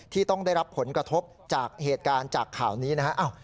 ที่ต้องได้รับผลกระทบจากเหตุการณ์จากข่าวนี้นะฮะ